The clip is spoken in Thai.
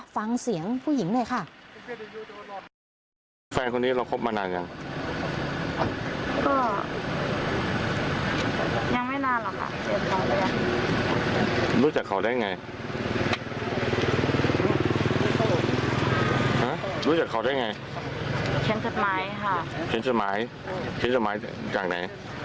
ฟังเสียงผู้หญิงหน่อยค่ะ